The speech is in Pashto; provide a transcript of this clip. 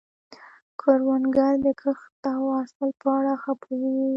کروندګر د کښت او حاصل په اړه ښه پوهه لري